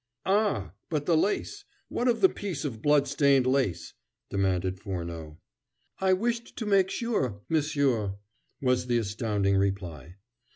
"Ah, but the lace? What of the piece of blood stained lace?" demanded Furneaux. "I wished to make sure, monsieur," was the astounding reply.